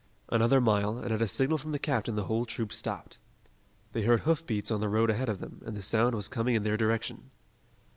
Another mile, and at a signal from the captain the whole troop stopped. They heard hoofbeats on the road ahead of them, and the sound was coming in their direction.